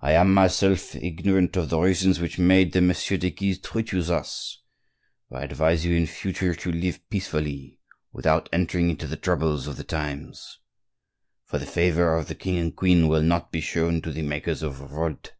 I am myself ignorant of the reasons which made the Messieurs de Guise treat you thus; but I advise you in future to live peacefully, without entering into the troubles of the times; for the favor of the king and queen will not be shown to the makers of revolt.